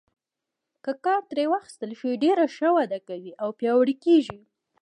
که کار ترې واخیستل شي ډېره ښه وده کوي او پیاوړي کیږي.